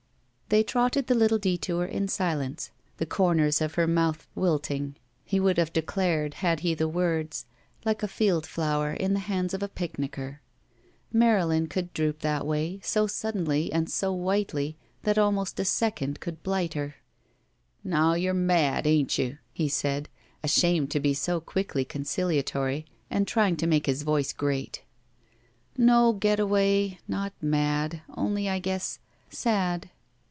They trotted the little detour in silence, the comers of her mouth wilting, he would have declared, had he the words, like a field flower in the hands of a picnicker. Marylin could droop that way, so sud denly and so whitely that almost a second could blight her. "Now you're mad, ain't you?" he said, ashamed to be so quickly conciliatory and tr3dng to make his voice grate. "No, Getaway — ^not mad — only I guess — sad."